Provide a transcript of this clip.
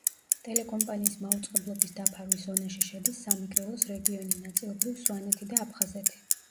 ტელეკომპანიის მაუწყებლობის დაფარვის ზონაში შედის სამეგრელოს რეგიონი, ნაწილობრივ სვანეთი და აფხაზეთი.